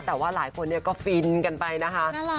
แต่ว่าหลายคนเนี่ยก็ฟินกันไปนะคะน่ารัก